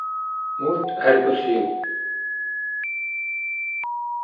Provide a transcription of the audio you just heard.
Мурт гӀеркӀусив?